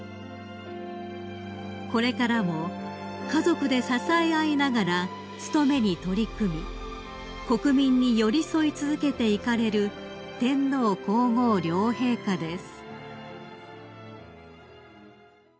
［これからも家族で支え合いながら務めに取り組み国民に寄り添い続けていかれる天皇皇后両陛下です］